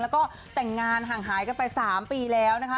แล้วก็แต่งงานห่างหายกันไป๓ปีแล้วนะคะ